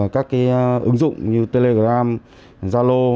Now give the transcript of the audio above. các ứng dụng như telegram zalo